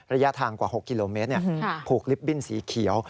ระยะทางกว่า๖กิโลเมตรผูกลิฟตบิ้นสีเขียว